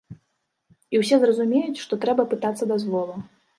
І усе зразумеюць, што трэба пытацца дазволу.